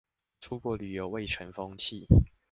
出國旅遊蔚成風氣